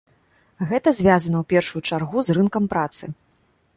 Гэта звязана ў першую чаргу з рынкам працы.